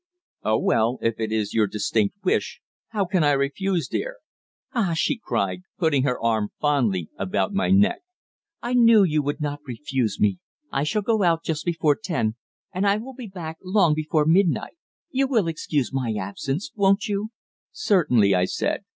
"Oh, well, if it is your distinct wish, how can I refuse, dear?" "Ah!" she cried, putting her arm fondly about my neck, "I knew you would not refuse me. I shall go out just before ten, and I will be back long before midnight. You will excuse my absence, won't you?" "Certainly," I said.